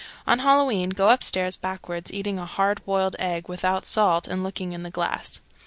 On Halloween go upstairs backwards, eating a hard boiled egg without salt, and looking in the glass.